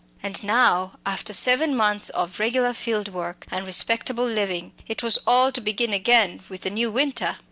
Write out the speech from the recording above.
And now, after seven months of regular field work and respectable living, it was all to begin again with the new winter!